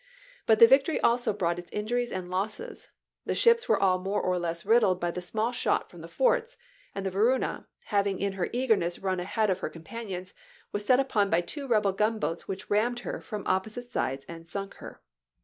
But the victory also brought its injuries and losses. The ships were all more or less riddled by the small shot from the forts ; and the Varuna, having in her eagerness run ahead of her companions, was set upon by two rebel gunboats which rammed her from opposite sides and sunk her.